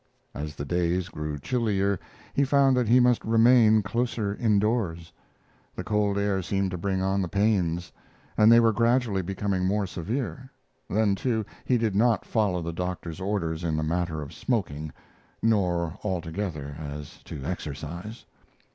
As the days grew chillier he found that he must remain closer indoors. The cold air seemed to bring on the pains, and they were gradually becoming more severe; then, too, he did not follow the doctor's orders in the matter of smoking, nor altogether as to exercise.